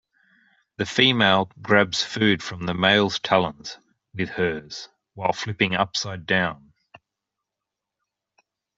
The female grabs food from the male's talons with hers while flipping upside-down.